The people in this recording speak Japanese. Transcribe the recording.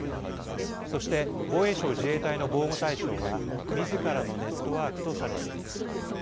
そして防衛省自衛隊の防護対象はみずからのネットワークとされています。